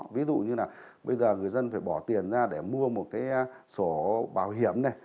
ví dụ như là bây giờ người dân phải bỏ tiền ra để mua một cái sổ bảo hiểm này